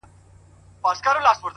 • قاسم یار چي په ژړا کي په خندا سي..